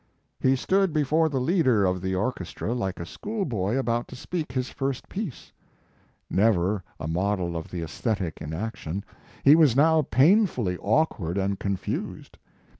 He stood before the leader of the.or His Life and Work. chestra like a schoolboy about to speak his first piece. Never a model of the aesthetic in action, he was now painfully awkward and confused.